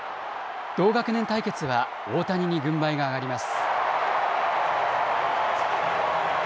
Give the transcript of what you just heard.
同学年対決は大谷に軍配が上がります。